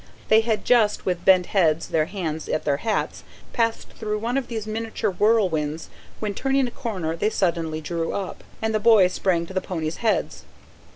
They had just, with bent heads, their hands at their hats, passed through one of these miniature whirlwinds, when turning a corner they suddenly drew up, and the boy sprang to the ponies' heads.